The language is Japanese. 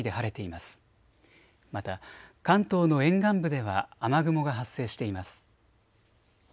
また関東の沿岸部では雨雲が発生しています。